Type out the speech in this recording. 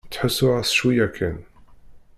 Ttḥussuɣ-as cwiya kan.